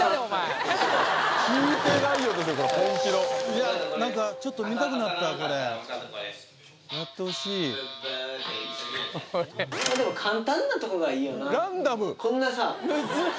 いや何かちょっと見たくなったこれやってほしいでも簡単なとこがいいよなこんなさあんま